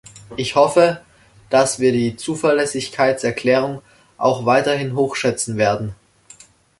Ich hoffe, dass wir die Zuverlässigkeitserklärung auch weiterhin hochschätzen werden.